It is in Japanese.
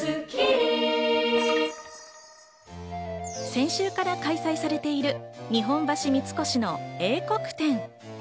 先週から開催されている日本橋三越の英国展。